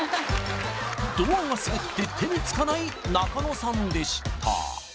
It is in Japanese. ドアが滑って手に付かない仲野さんでした